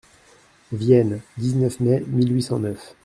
Vienne, dix-neuf mai mille huit cent neuf.